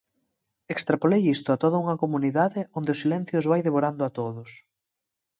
Extrapolei isto a toda unha comunidade onde o silencio os vai devorando a todos.